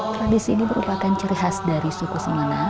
tradisi ini merupakan cerihas dari suku semana